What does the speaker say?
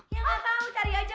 ya enggak tahu cari aja